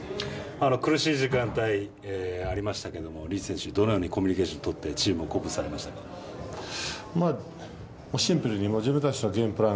苦しい時間帯ありましたけどもリーチ選手、どのようにコミュニケーションとってシンプルに自分たちのゲームプラン